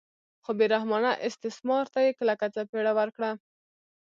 خو بې رحمانه استثمار ته یې کلکه څپېړه ورکړه.